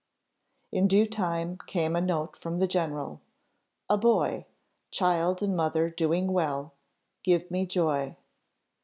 In due time came a note from the general. "A boy! child and mother doing well. Give me joy."